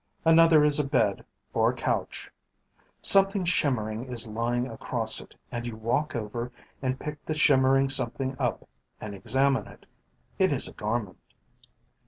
Another is a bed, or couch. Something shimmering is lying across it and you walk over and pick the shimmering something up and examine it. It is a garment.